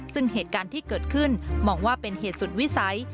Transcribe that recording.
ซึ่งเหตุการณ์ที่เกิดขึ้นมองว่าเป็นเหตุสุดวิสัย